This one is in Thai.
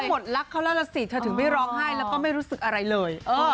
หมดรักเขาแล้วล่ะสิเธอถึงไม่ร้องไห้แล้วก็ไม่รู้สึกอะไรเลย